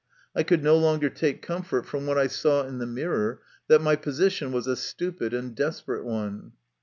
I could no longer take comfort from what I saw in the mirror that my position was a stupid and desperate one.